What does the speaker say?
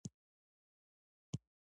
او داسې کس په واقعيت کې نه وي.